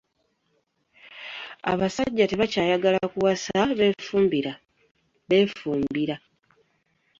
abasajja tebakyayagala kuwasa bbefumbira